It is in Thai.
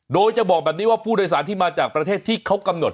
โดยจะบอกแบบนี้ว่าผู้โดยสารที่มาจากประเทศที่เขากำหนด